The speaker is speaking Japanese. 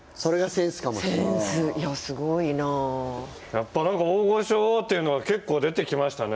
やっぱ何か「大御所」っていうのが結構出てきましたね